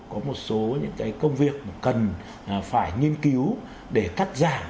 có một số những cái công việc mà cần phải nghiên cứu để cắt giảm